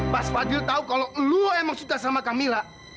pas fadil tau kalau lo emang suka sama camilla